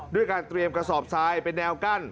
ด้วยการเตรียมกระสอบทรายเป็นแนวกั้น